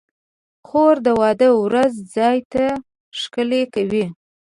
خور د واده ورځ ځان ته ښکلې کوي.